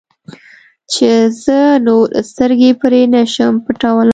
چې زه نور سترګې پرې نه شم پټولی.